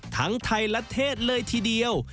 ทั้งไทยและเทศเลยทีเดียว